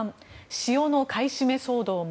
塩の買い占め騒動も。